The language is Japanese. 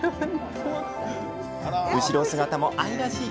後ろ姿も愛らしい！